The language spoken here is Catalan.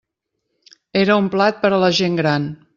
Era un plat per a la gent gran.